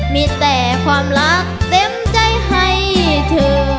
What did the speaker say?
มีแต่ความรักเต็มใจให้เธอ